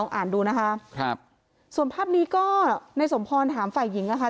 อ่านดูนะคะครับส่วนภาพนี้ก็ในสมพรถามฝ่ายหญิงนะคะ